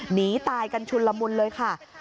หนีตายกันชุนละมุนเลยค่ะ